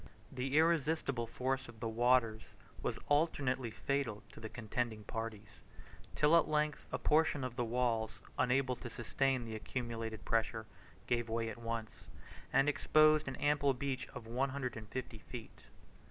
6611 The irresistible force of the waters was alternately fatal to the contending parties, till at length a portion of the walls, unable to sustain the accumulated pressure, gave way at once, and exposed an ample breach of one hundred and fifty feet.